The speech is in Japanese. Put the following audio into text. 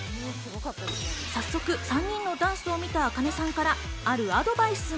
早速３人のダンスを見たａｋａｎｅさんからあるアドバイスが。